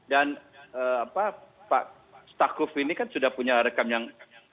dan pak stakuf ini kan sudah punya rekam yang